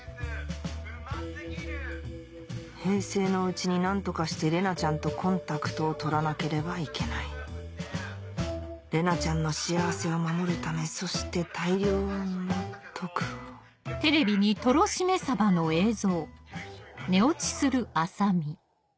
平成のうちに何とかして玲奈ちゃんとコンタクトを取らなければいけない玲奈ちゃんの幸せを守るためそして大量の徳をあんたが大将！